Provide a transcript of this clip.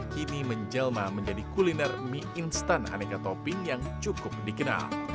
kini menjelma menjadi kuliner mie instan aneka topping yang cukup dikenal